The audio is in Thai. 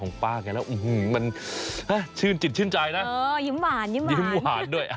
ขายมานานขนาดนี้ต้องอร่อยแน่เลยนะคะคุณผู้ชม